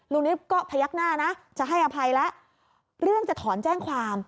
นิดก็พยักหน้านะจะให้อภัยแล้วเรื่องจะถอนแจ้งความ